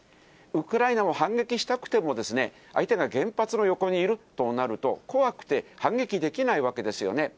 ウクライナも反撃したくても、相手が原発の横にいるとなると、怖くて反撃できないわけですよね。